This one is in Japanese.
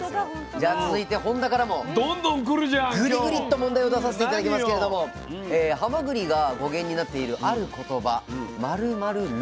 じゃあ続いて本田からもグリグリッと問題を出させて頂きますけれどもはまぐりが語源になっているある言葉「○○る」。